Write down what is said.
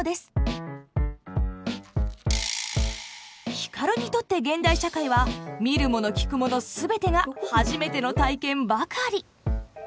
光にとって現代社会は見るもの聞くものすべてが初めての体験ばかり。